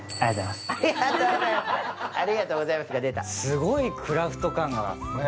すごいクラフト感があります。